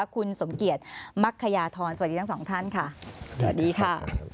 คุณสมเกียจมักขยาธรสวัสดีทั้งสองท่านค่ะสวัสดีค่ะ